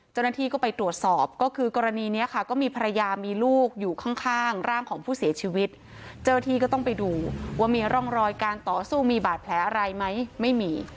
เจ้าหน้าที่ก็ไปตรวจสอบก็คือกรณีนี้ค่ะก็มีภรรยามีลูกอยู่ข้างร่างของผู้เสียชีวิตเจ้าที่ก็ต้องไปดูว่ามีร่องรอยการต่อสู้มีบาดแผลอะไรไหมไม่มี